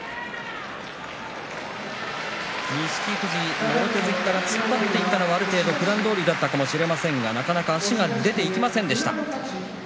錦富士、もろ手突きから突っ張っていったのはある程度、ふだんどおりだったかもしれませんがなかなか出ていけませんでした。